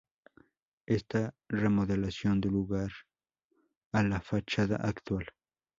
Esta remodelación dio lugar a la fachada actual.